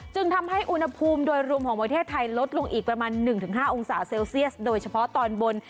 ทำให้อุณหภูมิโดยรวมของประเทศไทยลดลงอีกประมาณ๑๕องศาเซลเซียสโดยเฉพาะตอนบน